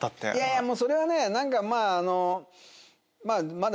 いやいやもうそれはね何かまぁあの。